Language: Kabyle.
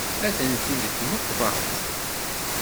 Atenti deg tmeqbert.